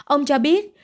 ông cho biết